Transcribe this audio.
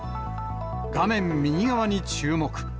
画面右側に注目。